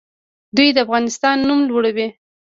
دوی د افغانستان نوم لوړوي.